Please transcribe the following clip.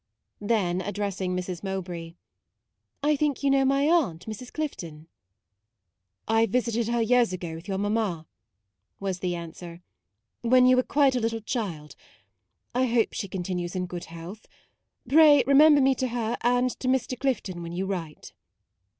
Then addressing Mrs. Mow bray :" I think you know my aunt, Mrs. Clifton? " u I visited her years ago with your mamma," was the answer :" when you were quite a little child. I hope she continues in good health. Pray remember me to her and to Mr. Clifton when you write."